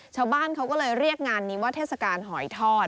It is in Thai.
ชาวบ้านเขาก็เลยเรียกงานนี้ว่าเทศกาลหอยทอด